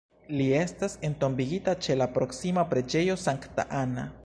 Li estas entombigita ĉe la proksima Preĝejo Sankta Anna.